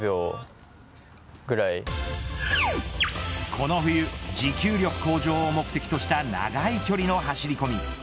この冬持久力向上を目的とした長い距離の走り込み。